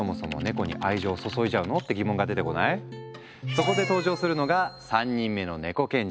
そこで登場するのが３人目のネコ賢者。